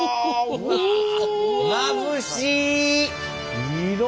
まぶしい！